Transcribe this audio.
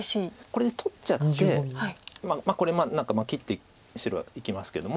これ取っちゃってこれ何か切って白はいきますけども。